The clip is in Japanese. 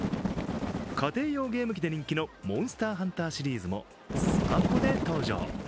家庭用ゲーム機で人気の「モンスターハンター」シリーズもスマホで登場。